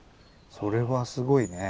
それはすごいねえ。